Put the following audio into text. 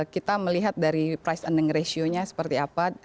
kita melihat dari price ending ratio nya seperti apa